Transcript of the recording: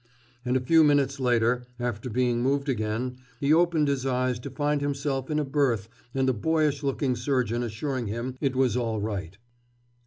And a few minutes later, after being moved again, he opened his eyes to find himself in a berth and the boyish looking surgeon assuring him it was all right.